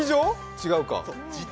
違うか。